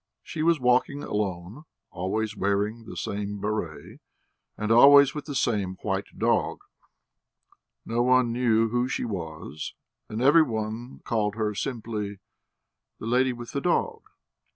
She was walking alone, always wearing the same béret, and always with the same white dog; no one knew who she was, and every one called her simply "the lady with the dog."